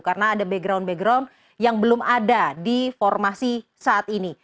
karena ada background background yang belum ada di formasi saat ini